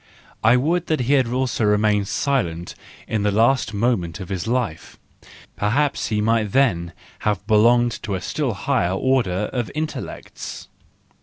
I would that he had also been silent in the last moment of his life,—perhaps he might then have belonged to a still higher order of intellects.